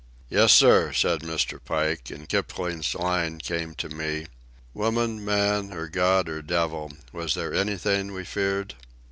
"Yes, sir," said Mr. Pike; and Kipling's line came to me: "Woman, Man, or God or Devil, was there anything we feared?"